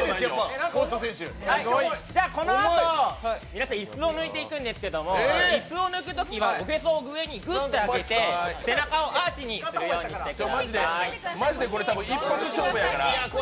このあと、皆さん、椅子を抜いていくんですけど椅子を抜くときは、おなかをぐっと上げて背中をアーチにするようにしてください。